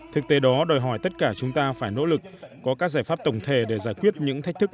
thực tế đó đòi hỏi tất cả chúng ta phải nỗ lực có các giải pháp tổng thể để giải quyết những thách thức